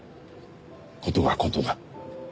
事が事だ。